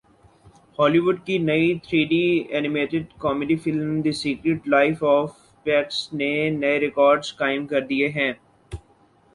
ہالی وڈ کی نئی three D animated comedy film the secret life of pets نے نئے ریکارڈز قائم کر دیے ہیں